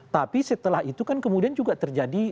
tapi setelah itu kan kemudian juga terjadi